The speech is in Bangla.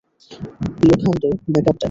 লোখান্দে, ব্যাকআপ ডাক।